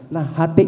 nah ht itu